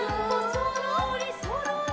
「そろーりそろり」